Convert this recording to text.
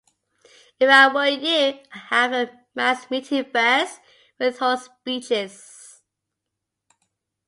If I were you I'd have a mass meeting first, with horse speeches.